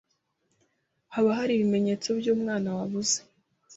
Haba hari ibimenyetso byumwana wabuze?